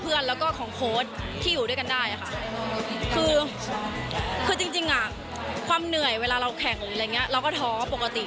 คือจริงความเหนื่อยเวลาเราแข่งแล้วก็ท้อปกติ